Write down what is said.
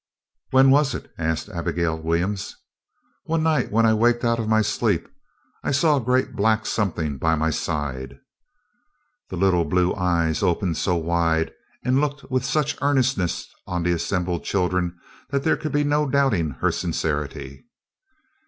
"When was it?" asked Abigail Williams. "One night, when I waked out of my sleep, I saw a great black something by my side." The little blue eyes opened so wide and looked with such earnestness on the assembled children, that there could be no doubting her sincerity.